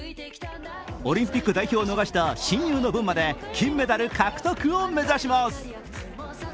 オリンピック代表を逃した親友の分まで金メダル獲得を目指します。